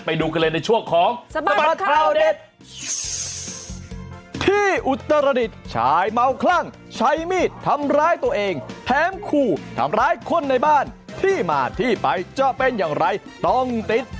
ไปดูกันเลยในช่วงของ